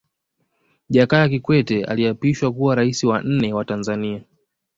Jakaya Kikwete aliapishwa kuwa Rais wa nne wa Tanzania